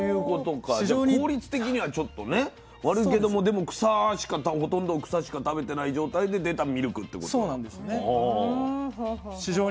じゃ効率的にはちょっとね悪いけどもでもほとんど草しか食べてない状態で出たミルクってことだ。